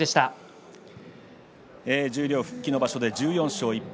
十両復帰の場所で１４勝１敗